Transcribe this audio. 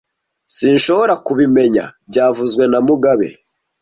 Sinshobora kubimenya byavuzwe na mugabe